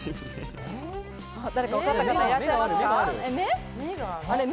誰か分かった方、いらっしゃいますか？